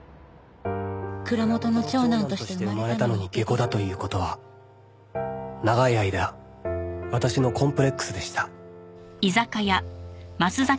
「蔵元の長男として生まれたのに下戸だということは長い間私のコンプレックスでした」